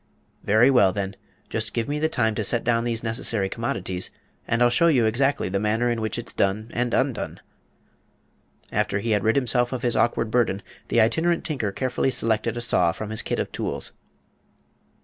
"Very well, then. Just give me time to set down these necessary commodities, and I'll show you exactly the manner in which it's done and undone." After he had rid himself of his awkward burden, the Itinerant Tinker carefully selected a saw from his kit of tools.